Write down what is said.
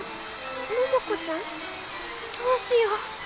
桃子ちゃん？どうしよう。